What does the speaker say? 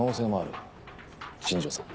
新庄さん